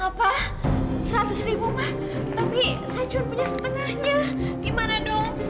apa seratus ribu mah tapi saya cuma punya setengahnya gimana dong